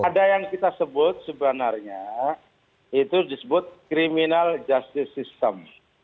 ada yang kita sebut sebenarnya itu disebut criminal justice system